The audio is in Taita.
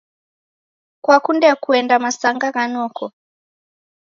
Kwakunde kuenda masanga gha noko?.